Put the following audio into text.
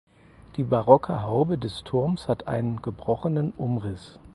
Die barocke Haube des Turms hat einen gebrochenen Umriss.